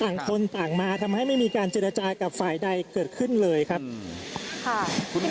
ต่างคนต่างมาทำให้ไม่มีการเจรจากับฝ่ายใดเกิดขึ้นเลยครับค่ะ